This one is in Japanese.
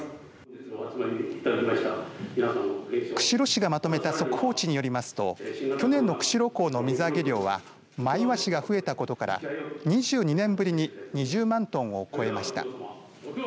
釧路市がまとめた速報値によりますと去年の釧路港の水揚げ量はマイワシが増えたことから２２年ぶりに２０万トンを超えました。